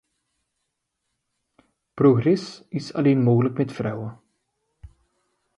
Progress is alleen mogelijk met vrouwen.